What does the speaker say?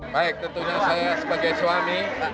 baik tentunya saya sebagai suami